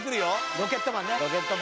「ロケットマンね」